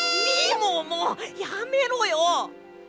みももやめろよ！